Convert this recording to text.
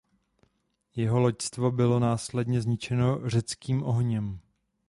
Jeho loďstvo bylo následně zničeno řeckým ohněm.